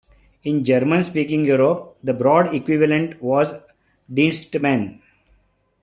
In German-speaking Europe, the broad equivalent was a "Dienstmann".